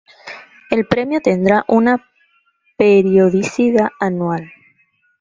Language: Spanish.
El premio tendrá una periodicidad anual.